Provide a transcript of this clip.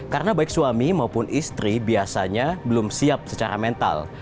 karena baik suami maupun istri biasanya belum siap secara mental